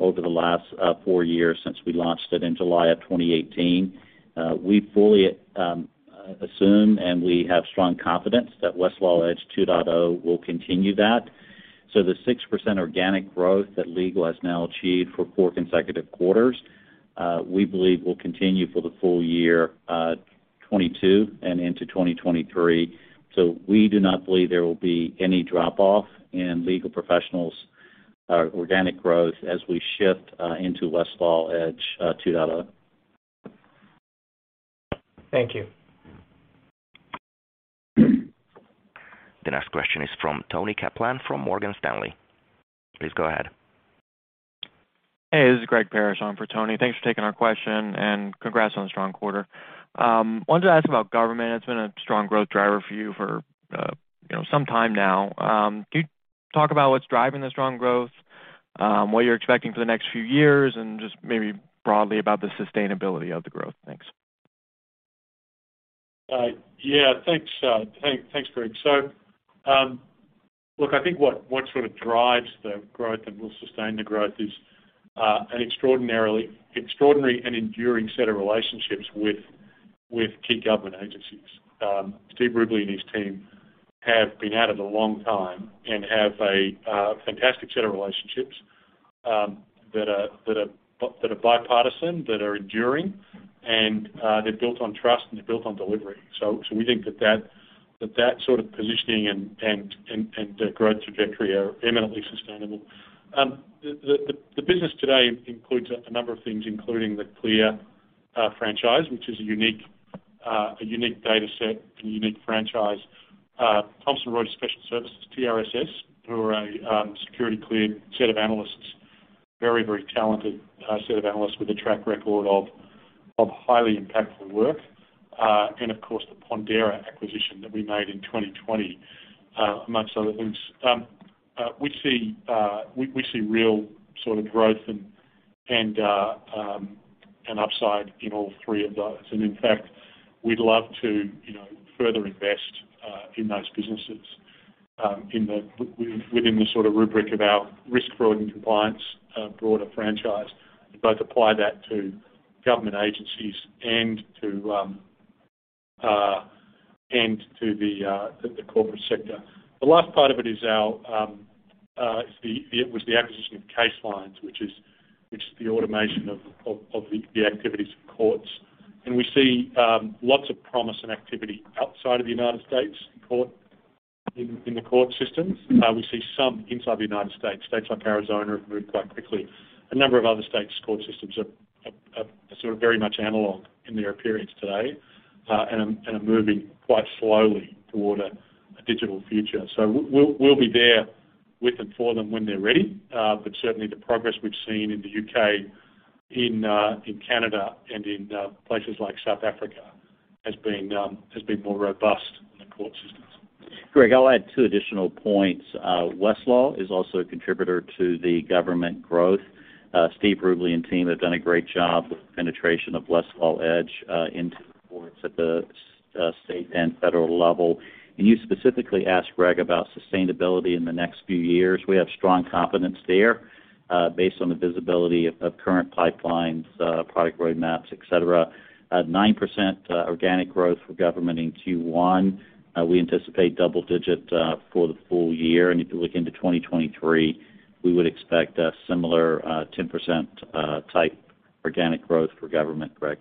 over the last 4 years since we launched it in July of 2018. We fully assume, and we have strong confidence that Westlaw Edge 2.0 will continue that. The 6% organic growth that Legal has now achieved for four consecutive quarters, we believe will continue for the full year, 2022 and into 2023. We do not believe there will be any drop off in Legal Professionals organic growth as we shift into Westlaw Edge 2.0. Thank you. Mm-hmm. The next question is from Toni Kaplan from Morgan Stanley. Please go ahead. Hey, this is Greg Parrish on for Toni. Thanks for taking our question, and congrats on the strong quarter. Wanted to ask about government. It's been a strong growth driver for you for, you know, some time now. Can you talk about what's driving the strong growth, what you're expecting for the next few years, and just maybe broadly about the sustainability of the growth? Thanks. Yeah. Thanks, Greg. Look, I think what sort of drives the growth and will sustain the growth is an extraordinary and enduring set of relationships with key government agencies. Steve Rubley and his team have been at it a long time and have a fantastic set of relationships that are bipartisan, that are enduring, and they're built on trust, and they're built on delivery. We think that sort of positioning and growth trajectory are eminently sustainable. The business today includes a number of things, including the CLEAR franchise, which is a unique data set and unique franchise. Thomson Reuters Special Services, TRSS, who are a security cleared set of analysts, very talented set of analysts with a track record of highly impactful work. Of course, the Pondera acquisition that we made in 2020, among other things. We see real sort of growth and upside in all three of those. In fact, we'd love to, you know, further invest in those businesses, within the sort of rubric of our risk, fraud, and compliance broader franchise, and both apply that to government agencies and to the corporate sector. The last part of it was the acquisition of CaseLines, which is the automation of the activities of courts. We see lots of promise and activity outside of the United States courts, in the court systems. We see some inside the United States. States like Arizona have moved quite quickly. A number of other states' court systems are sort of very much analog in their appearance today, and are moving quite slowly toward a digital future. We'll be there with and for them when they're ready. Certainly the progress we've seen in the U.K., in Canada, and in places like South Africa has been more robust in the court systems. Greg, I'll add two additional points. Westlaw is also a contributor to the government growth. Steve Rubley and team have done a great job with penetration of Westlaw Edge into the courts at the state and federal level. You specifically asked, Greg, about sustainability in the next few years. We have strong confidence there based on the visibility of current pipelines product roadmaps, et cetera. At 9% organic growth for government in Q1, we anticipate double-digit for the full year. If you look into 2023, we would expect a similar 10%-type organic growth for government, Greg.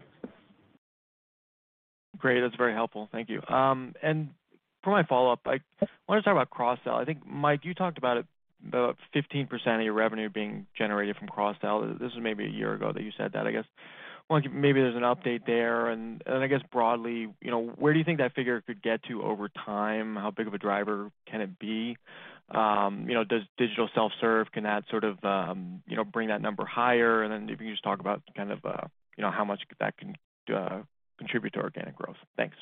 Great. That's very helpful. Thank you. For my follow-up, I wanna talk about cross-sell. I think, Mike, you talked about 15% of your revenue being generated from cross-sell. This is maybe a year ago that you said that, I guess. Wonder if maybe there's an update there. I guess broadly, you know, where do you think that figure could get to over time? How big of a driver can it be? You know, does digital self-serve, can that sort of, you know, bring that number higher? If you can just talk about kind of, you know, how much that can contribute to organic growth. Thanks.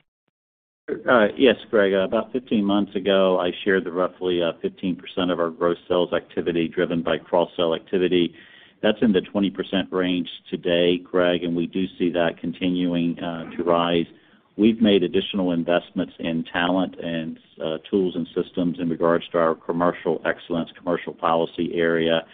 Yes, Greg. About 15 months ago, I shared that roughly 15% of our gross sales activity driven by cross-sell activity. That's in the 20% range today, Greg, and we do see that continuing to rise. We've made additional investments in talent and tools and systems in regards to our commercial excellence, commercial policy area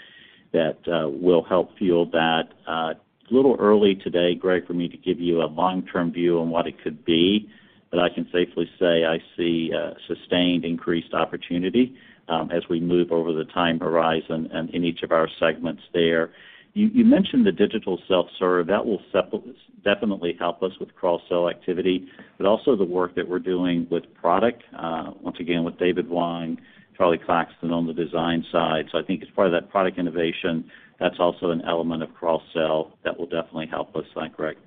that will help fuel that. Little early today, Greg, for me to give you a long-term view on what it could be, but I can safely say I see sustained increased opportunity as we move over the time horizon and in each of our segments there. You mentioned the digital self-serve. That will definitely help us with cross-sell activity, but also the work that we're doing with product, once again with David Wong, Charlie Claxton on the design side. I think as part of that product innovation, that's also an element of cross-sell that will definitely help us, Greg. Great.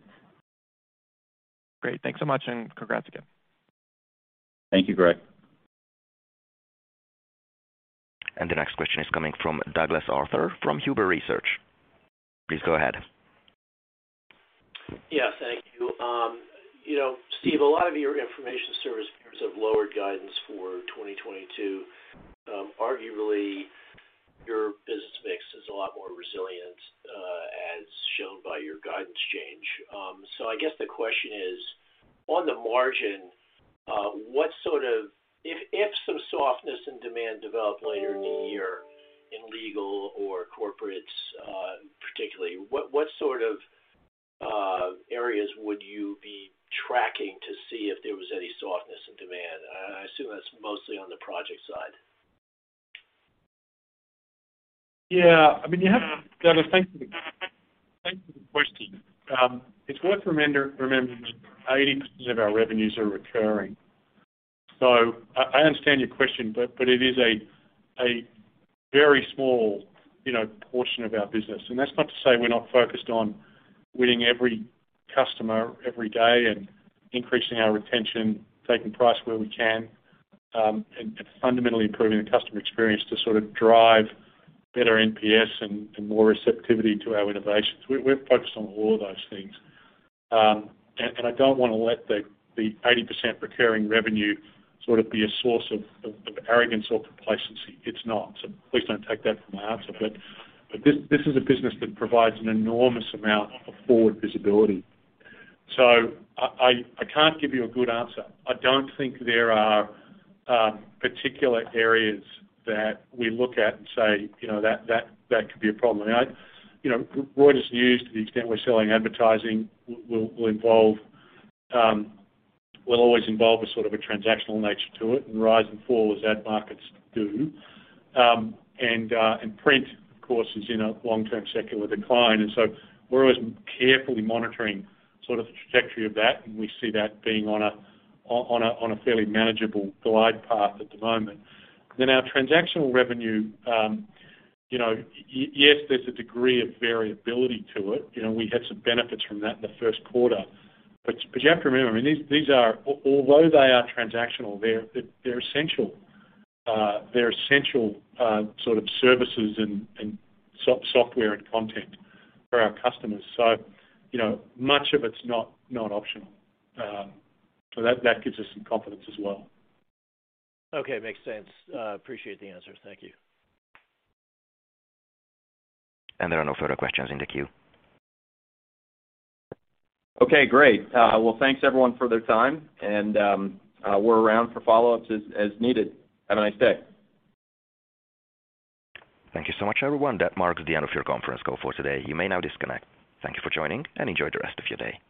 Thanks so much, and congrats again. Thank you, Greg. The next question is coming from Douglas Arthur from Huber Research Partners, please go ahead. Yeah, thank you. You know, Steve, a lot of your information service peers have lowered guidance for 2022. Arguably, your business mix is a lot more resilient, as shown by your guidance change. I guess the question is: On the margin, what sort of if some softness in demand develop later in the year in legal or corporates, particularly, what sort of areas would you be tracking to see if there was any softness in demand? I assume that's mostly on the project side. Yeah. I mean, Douglas, thank you. Thank you for the question. It's worth remembering that 80% of our revenues are recurring. I understand your question, but it is a very small, you know, portion of our business. That's not to say we're not focused on winning every customer every day and increasing our retention, taking price where we can, and fundamentally improving the customer experience to sort of drive better NPS and more receptivity to our innovations. We're focused on all of those things. I don't wanna let the 80% recurring revenue sort of be a source of arrogance or complacency. It's not. Please don't take that from my answer. This is a business that provides an enormous amount of forward visibility. I can't give you a good answer. I don't think there are particular areas that we look at and say, "You know, that could be a problem." You know, Reuters News, to the extent we're selling advertising, will always involve a sort of a transactional nature to it and rise and fall as ad markets do. Print, of course, is in a long-term secular decline. We're always carefully monitoring sort of the trajectory of that, and we see that being on a fairly manageable glide path at the moment. Our transactional revenue, you know, yes, there's a degree of variability to it. You know, we had some benefits from that in the first quarter. But you have to remember, I mean, these are. Although they are transactional, they're essential, sort of services and software and content for our customers. You know, much of it's not optional. So that gives us some confidence as well. Okay. Makes sense. Appreciate the answers. Thank you. There are no further questions in the queue. Okay, great. Well, thanks everyone for their time, and we're around for follow-ups as needed. Have a nice day. Thank you so much, everyone. That marks the end of your conference call for today. You may now disconnect. Thank you for joining, and enjoy the rest of your day.